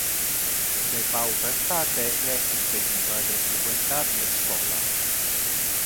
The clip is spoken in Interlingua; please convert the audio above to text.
Le paupertate le impediva de frequentar le schola.